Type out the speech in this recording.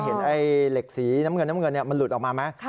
เห็นไอ้เหล็กสีน้ำเงินมันหลุดออกมาไหม